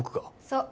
そう。